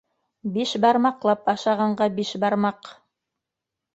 Биш бармаҡлап ашағанға бишбармаҡ.